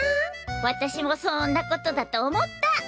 私もそんなことだと思った。